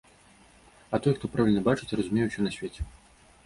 А той, хто правільна бачыць, разумее ўсё на свеце.